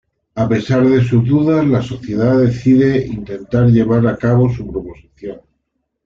A pesar de sus dudas, la sociedad decide intentar llevar a cabo su proposición.